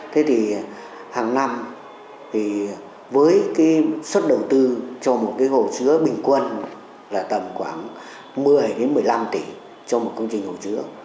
thế thì hàng năm thì với cái suất đầu tư cho một cái hồ chứa bình quân là tầm khoảng một mươi một mươi năm tỷ cho một công trình hồ chứa